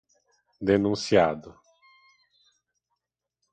denunciado